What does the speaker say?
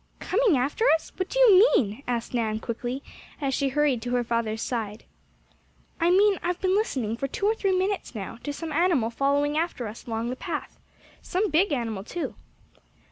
"Coming after us? What do you mean?" asked Nan quickly, as she hurried to her father's side. "I mean I've been listening for two or three minutes now, to some animal following after us along the path. Some big animal, too."